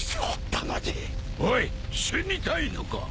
おい死にたいのか。